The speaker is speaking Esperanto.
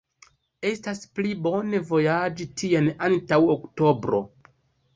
Estas pli bone vojaĝi tien antaŭ oktobro.